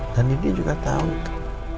dan nindi juga tahu itu